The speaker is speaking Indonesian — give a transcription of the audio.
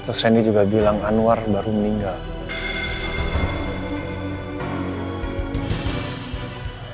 terus seni juga bilang anwar baru meninggal